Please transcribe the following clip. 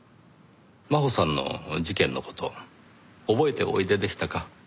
真穂さんの事件の事覚えておいででしたか？